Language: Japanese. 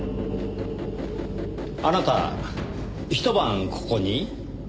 あなたひと晩ここに？